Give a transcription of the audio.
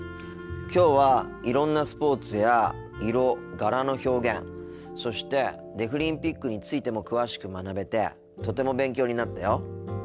きょうはいろんなスポーツや色柄の表現そしてデフリンピックについても詳しく学べてとても勉強になったよ。